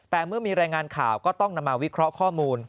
แต่เมื่อมีรายงานข่าวก็ต้องนำมาวิเคราะห์ข้อมูล